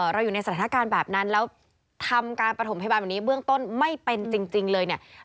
เราอยู่ในสถานการณ์แบบนั้นแล้วทำการประถมพยาบาลแบบนี้เบื้องต้นไม่เป็นจริงเลยเนี่ย